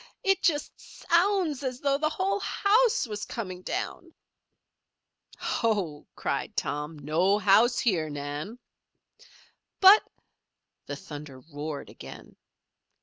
"It just so o ounds as though the whole house was coming down." "Ho!" cried Tom. "No house here, Nan." "But " The thunder roared again.